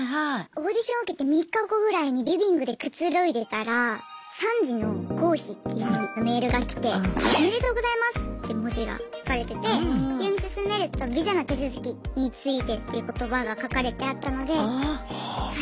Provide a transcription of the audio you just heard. オーディション受けて３日後ぐらいにリビングでくつろいでたら「３次の合否」っていうメールが来て「おめでとうございます」って文字が書かれててで読み進めると「ビザの手続きについて」っていう言葉が書かれてあったのでは